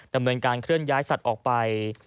ดำเนินการเคลื่อนย้ายสัตว์ออกไป